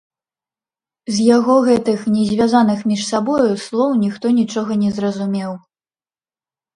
З яго гэтых, не звязаных між сабою, слоў ніхто нічога не зразумеў.